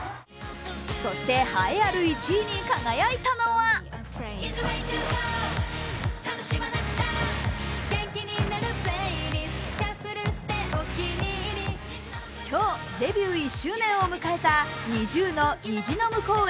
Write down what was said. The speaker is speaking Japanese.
そして、栄えある１位に輝いたのは今日、デビュー１周年を迎えたＮｉｚｉＵの「虹の向こうへ」